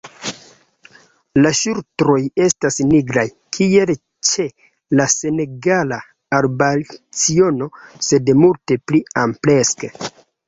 La ŝultroj estas nigraj, kiel ĉe la Senegala arbalciono, sed multe pli amplekse.